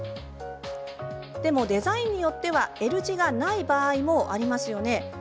でも、デザインによってはＬ字がない場合もありますよね。